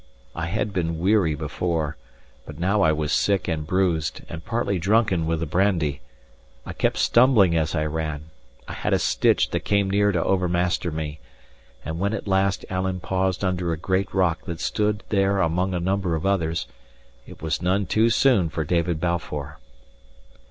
I had been weary before, but now I was sick and bruised, and partly drunken with the brandy; I kept stumbling as I ran, I had a stitch that came near to overmaster me; and when at last Alan paused under a great rock that stood there among a number of others, it was none too soon for David Balfour.